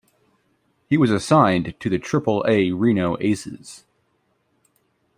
He was assigned to the Triple-A Reno Aces.